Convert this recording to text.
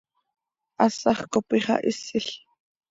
Hasaj cop ixahisil.